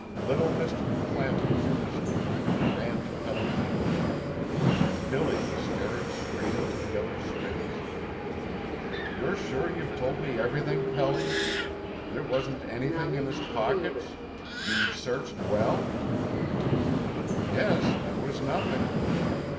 Little Mystery clambered from his knee and ran to Pelliter. Billy was staring straight into the other's face. "You're sure you've told me everything, Pelly? There wasn't anything in his pockets? You searched well?" "Yes. There was nothing."